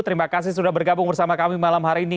terima kasih sudah bergabung bersama kami malam hari ini